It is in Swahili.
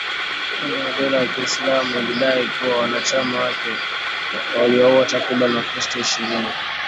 Kundi la dola ya Kiislamu ilidai kuwa wanachama wake waliwauwa takriban wakristo ishirini